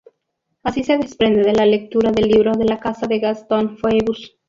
Así se desprende de la lectura del libro de la Caza de Gastón Phoebus.